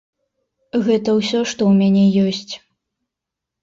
Гэта ўсё, што ў мяне ёсць.